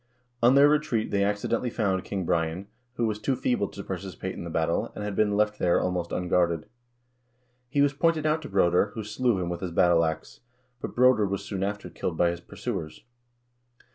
On their retreat they accidentally found King Brian, who was too feeble to participate in the battle, and had been left there almost unguarded. He was pointed out to Broder, who slew him with his battle ax ; but Broder was soon after killed by his pursuers.